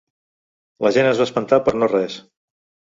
La gent es va espantar per no res.